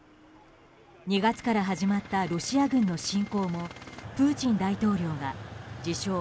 ２月から始まったロシア軍の侵攻もプーチン大統領が自称